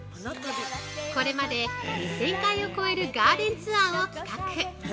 これまで２０００回を超えるガーデンツアーを企画！